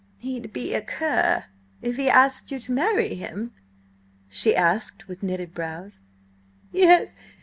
"He'd be a cur if he asked you to marry him?" she asked, with knitted brows. "Yes.